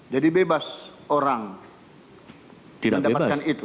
jadi bebas orang mendapatkan itu